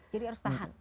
jadi harus tahan